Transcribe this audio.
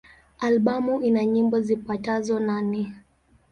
Albamu ina nyimbo zipatazo nane.